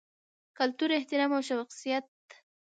کلتور، احترام او شخصیت